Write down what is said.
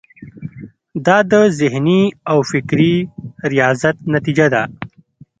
دا د ذهني او فکري ریاضت نتیجه ده.